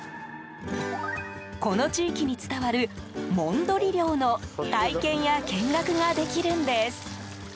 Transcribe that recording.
この地域に伝わる、もんどり漁の体験や見学ができるんです。